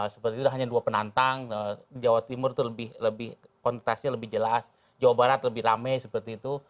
seperti itu hanya dua penantang jawa timur itu lebih kontesnya lebih jelas jawa barat lebih rame seperti itu